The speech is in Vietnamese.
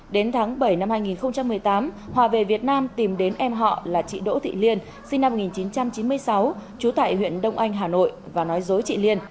đến tháng bảy năm hai nghìn một mươi tám hòa về việt nam tìm đến em họ là chị đỗ thị liên sinh năm một nghìn chín trăm chín mươi sáu trú tại huyện đông anh hà nội và nói dối chị liên